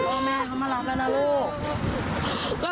โอ้โฮแอ้มพ่อแม่เขามารับหนูแล้วนะ